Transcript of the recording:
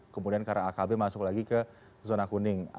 kemudian karena akb masuk lagi ke zona kuning